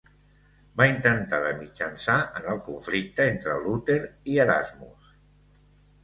Va intentar de mitjançar en el conflicte entre Luter i Erasmus.